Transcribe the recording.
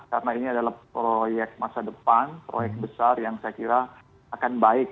karena ini adalah proyek masa depan proyek besar yang saya kira akan baik